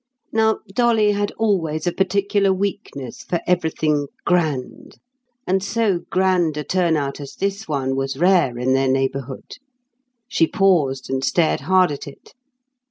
Now Dolly had always a particular weakness for everything "grand"; and so grand a turn out as this one was rare in their neighbourhood. She paused and stared hard at it.